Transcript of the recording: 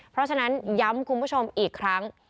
เพราะฉะนั้นย้ำคุณผู้ชมอีกครั้ง